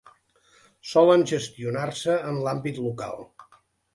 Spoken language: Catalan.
Solen gestionar-se en l'àmbit local.